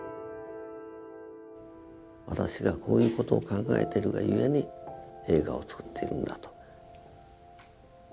私がこういう事を考えてるがゆえに映画をつくっているんだと。